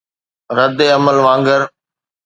رد عمل وانگر